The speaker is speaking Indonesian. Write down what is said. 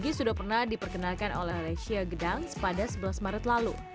egy sudah pernah diperkenalkan oleh lecia gedangs pada sebelas maret lalu